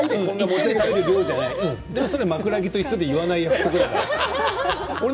それは枕木と一緒で言わない約束だから、これは。